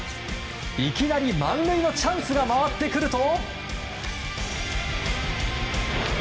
いきなり満塁のチャンスが回ってくると。